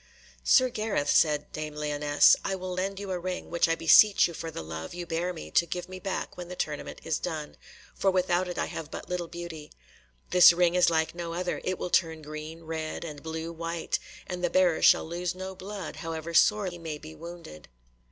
"Sir Gareth," said dame Lyonesse, "I will lend you a ring, which I beseech you for the love you bear me to give me back when the tournament is done, for without it I have but little beauty. This ring is like no other ring, it will turn green red, and blue white, and the bearer shall lose no blood, however sore he may be wounded."